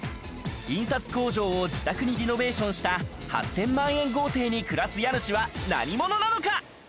印刷工場を自宅にリノベーションした８０００万円豪邸に暮らす家主は何者なのか？